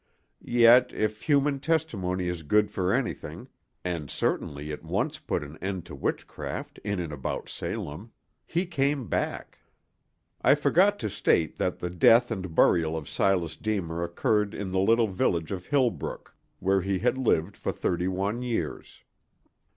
Yet if human testimony is good for anything (and certainly it once put an end to witchcraft in and about Salem) he came back. I forgot to state that the death and burial of Silas Deemer occurred in the little village of Hillbrook, where he had lived for thirty one years.